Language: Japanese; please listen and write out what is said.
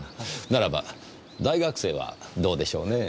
ならば大学生はどうでしょうねぇ。